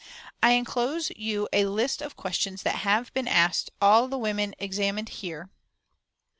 I inclose you a list of questions that have been asked all the women examined here.